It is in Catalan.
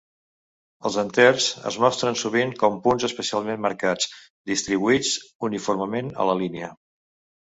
Els enters es mostren sovint com punts especialment marcats, distribuïts uniformement a la línia.